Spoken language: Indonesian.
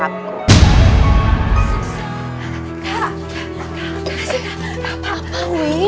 kekasih kekasih kekasih